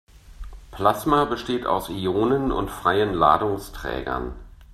Plasma besteht aus Ionen und freien Ladungsträgern.